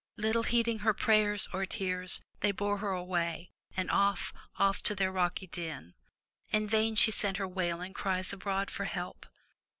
Little heeding her prayers or tears, they bore her away, and off, off to their rocky den. In vain she sent her wailing cries abroad for help.